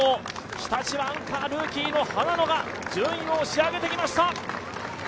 日立はアンカールーキーの花野が順位を押し上げてきました。